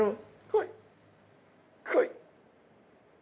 こい！